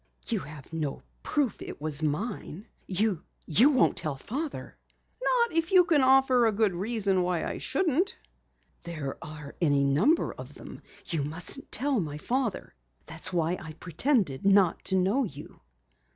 "You have no proof it was mine! You you won't tell Father?" "Not if you can offer a good reason why I shouldn't." "There are any number of them. You mustn't tell my father! That's why I pretended not to know you."